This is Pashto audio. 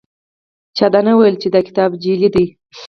چا دا نه دي ویلي چې دا کتاب جعلي دی.